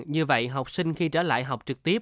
như vậy học sinh khi trở lại học trực tiếp